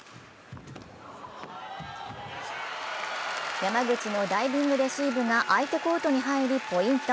山口のダイビングレシーブが相手コートに入り、ポイント。